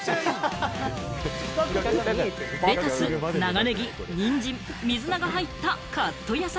レタス、長ネギ、ニンジン、水菜が入ったカット野菜。